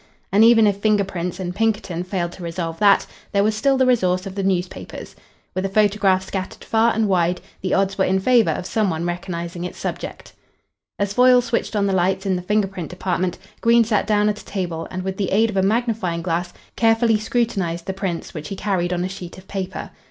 And even if finger prints and Pinkerton failed to resolve that, there was still the resource of the newspapers. With a photograph scattered far and wide, the odds were in favour of some one recognising its subject. As Foyle switched on the lights in the finger print department, Green sat down at a table and with the aid of a magnifying glass carefully scrutinised the prints which he carried on a sheet of paper.